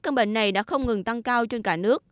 các bệnh này đã không ngừng tăng cao trên cả nước